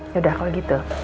yaudah kalau gitu